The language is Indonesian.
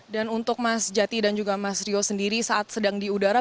dan untuk mas jati dan juga mas rio sendiri saat sedang di udara